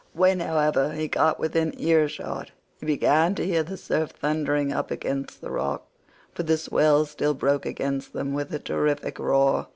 When, however, he got within earshot, he began to hear the surf thundering up against the rocks, for the swell still broke against them with a terrific roar.